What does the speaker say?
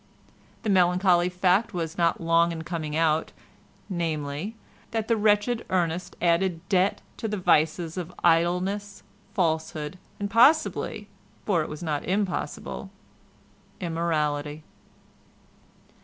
The melancholy fact was not long in coming out, namely, that the wretched Ernest added debt to the vices of idleness, falsehood and possibly—for it was not impossible—immorality.